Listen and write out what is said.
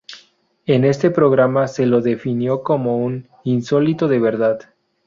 En este programa se lo definió como un "Insólito de verdad".